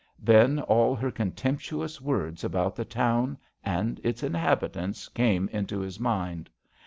Then all her contemptuous words about the town and its inhabitants came into his mind.